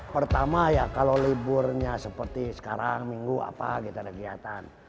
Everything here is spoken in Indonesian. pertama ya kalau liburnya seperti sekarang minggu apa kita ada kegiatan